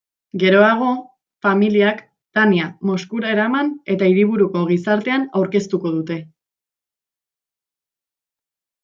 Geroago familiak Tania Moskura eraman eta hiriburuko gizartean aurkeztuko dute.